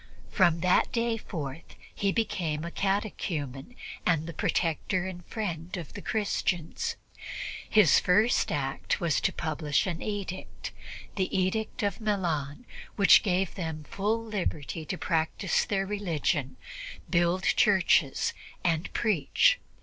From that day forth he became a catechumen and the protector and friend of the Christians. His first act was to publish an edict, the Edict of Milan, which gave them full liberty to practice their religion, build churches and preach.